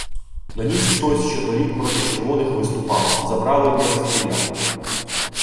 Доніс хтось, що торік проти червоних виступав, - забрали і розстріляли.